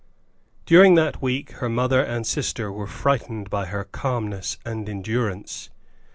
During that week her mother and sister were frightened by her calmness and endurance.